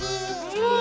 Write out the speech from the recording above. うん！